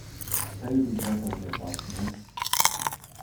Pray be careful of yourself, miss.